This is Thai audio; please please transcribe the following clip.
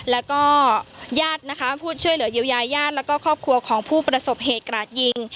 แล้วก็ญาตินะคะผู้ช่วยเหลือเยียวยาญาติแล้วก็ครอบครัวของผู้ประสบเหตุกราดยิง